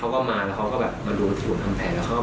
และยืนยันเหมือนกันว่าจะดำเนินคดีอย่างถึงที่สุดนะครับ